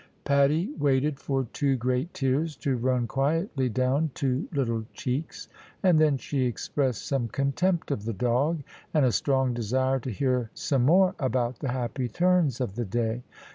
Patty waited for two great tears to run quietly down two little cheeks; and then she expressed some contempt of the dog, and a strong desire to hear some more about the happy turns of the day.